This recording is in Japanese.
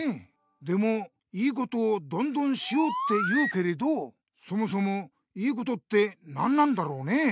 でも良いことをどんどんしようって言うけれどそもそも「良いこと」って何なんだろうね？